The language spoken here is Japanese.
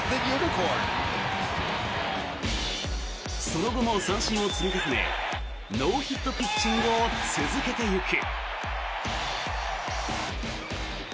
その後も三振を積み重ねノーヒットピッチングを続けてゆく。